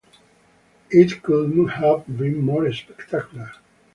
It couldn't have been more spectacular.